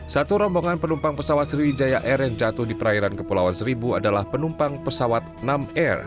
satu rombongan penumpang pesawat sriwijaya air yang jatuh di perairan kepulauan seribu adalah penumpang pesawat enam r